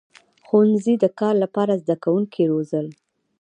• ښوونځي د کار لپاره زدهکوونکي روزل.